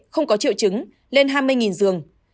không có triệu chứng lên hai mươi dường